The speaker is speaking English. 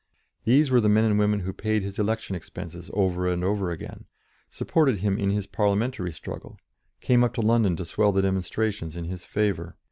These were the men and women who paid his election expenses over and over again, supported him in his Parliamentary struggle, came up to London to swell the demonstrations in his favour.